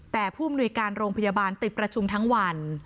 แต่ผู้อำนวยการโรงพยาบาลติดประชุมทั้งวัน